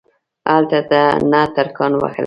هلته نه ترکان ول.